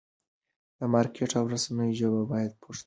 د مارکېټ او رسنیو ژبه باید پښتو وي.